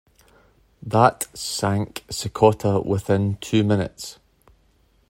That sank "Secota" within two minutes.